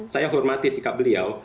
saya hormati sikap beliau